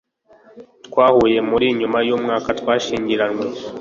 Twahuye muri . Nyuma yumwaka, twashyingiranywe.